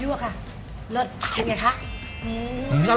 ยั่วค่ะเลิศเป็นไงคะ